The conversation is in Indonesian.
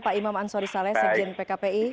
pak imam ansari saleh sekjen pkpi